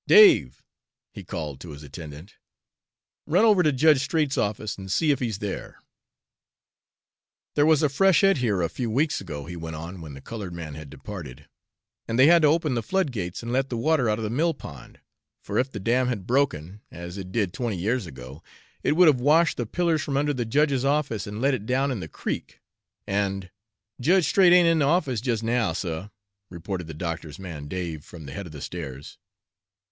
Dave," he called to his attendant, "run over to Judge Straight's office and see if he's there. "There was a freshet here a few weeks ago," he want on, when the colored man had departed, "and they had to open the flood gates and let the water out of the mill pond, for if the dam had broken, as it did twenty years ago, it would have washed the pillars from under the judge's office and let it down in the creek, and" "Jedge Straight ain't in de office jes' now, suh," reported the doctor's man Dave, from the head of the stairs.